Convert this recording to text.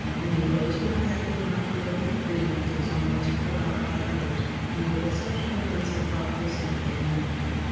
Only those who have had to learn to live with a grief that is almost forgot by others know what such tokens of thoughtful sympathy mean.